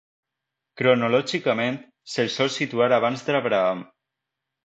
Cronològicament, se'l sol situar abans d'Abraham.